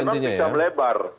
yang memang bisa melebar